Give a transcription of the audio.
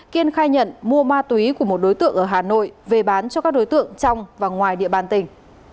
kiên khai nhận mua ma túy của một đối tượng ở hà nội về bán cho các đối tượng trong và ngoài địa bàn tỉnh